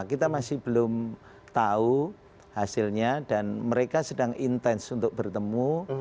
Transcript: kita masih belum tahu hasilnya dan mereka sedang intens untuk bertemu